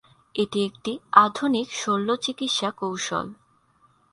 এটি একটি আধুনিক শল্যচিকিৎসা কৌশল।